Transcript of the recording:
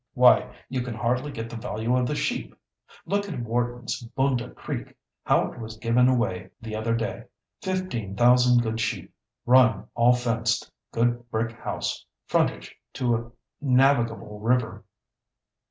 Why, you can hardly get the value of the sheep! Look at Wharton's Bundah Creek how it was given away the other day. Fifteen thousand good sheep, run all fenced, good brick house, frontage to a navigable river.